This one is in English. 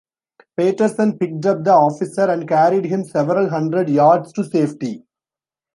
Patterson picked up the officer and carried him several hundred yards to safety.